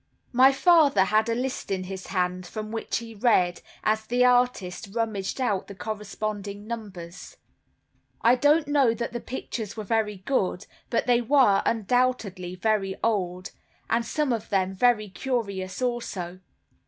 My father had a list in his hand, from which he read, as the artist rummaged out the corresponding numbers. I don't know that the pictures were very good, but they were, undoubtedly, very old, and some of them very curious also.